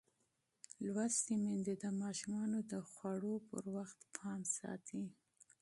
تعلیم یافته میندې د ماشومانو د خوړو پر مهال پام ساتي.